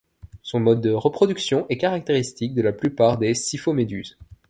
Son mode de reproduction est caractéristique de la plupart des scyphoméduses.